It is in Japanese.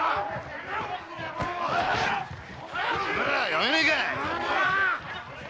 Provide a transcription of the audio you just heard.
やめねえか！